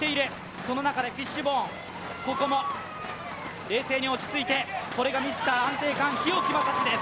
その中でフィッシュボーン、ここも冷静に落ち着いて、これがミスター安定感・日置将士です。